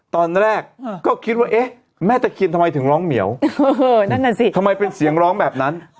ตอนแรกก็คิดว่าเอ๊ะแม่ตะเคียนทำไมถึงร้องเหมียวนั่นน่ะสิทำไมเป็นเสียงร้องแบบนั้น